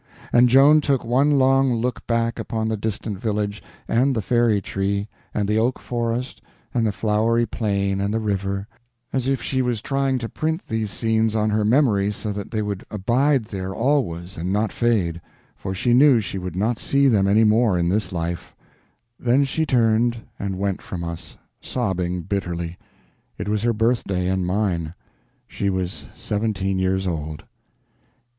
And Joan took one long look back upon the distant village, and the Fairy Tree, and the oak forest, and the flowery plain, and the river, as if she was trying to print these scenes on her memory so that they would abide there always and not fade, for she knew she would not see them any more in this life; then she turned, and went from us, sobbing bitterly. It was her birthday and mine. She was seventeen years old.